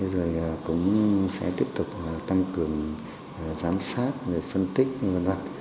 thế rồi cũng sẽ tiếp tục tăng cường giám sát phân tích v v